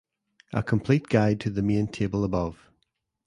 A complete guide to the main table above.